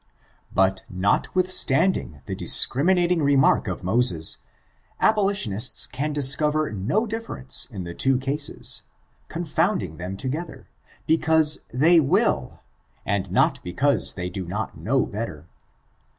But, notwithstanding the discriminating remark of Moses, abolitionists can discover no difference in the two cases, confounding them together, because they vnll, and not because they do not know better.